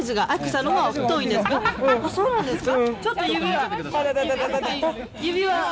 「そうなんですか？」